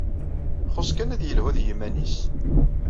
Xus kan ad yelhu d yiman-is.